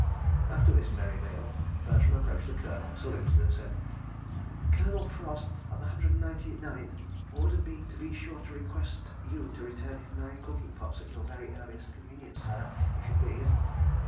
... After this merry meal, Bertram approached the Colonel, saluted, and said: "Colonel Frost, of the Hundred and Ninety Ninth, ordered me to be sure to request you to return his nine cooking pots at your very earliest convenience, sir, if you please."